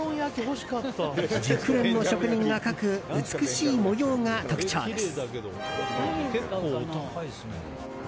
熟練の職人が描く美しい模様が特徴です。